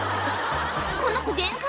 この子限界！